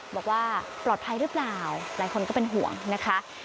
บอกว่าปลอดภัยหรือเปล่าหลายคนก็เป็นห่วงนะคะ